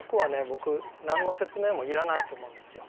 僕何の説明もいらないと思うんですよ。